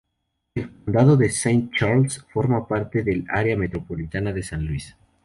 El condado de Saint Charles forma parte del área metropolitana de San Luis.